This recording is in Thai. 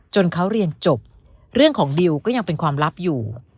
เขาเรียนจบเรื่องของดิวก็ยังเป็นความลับอยู่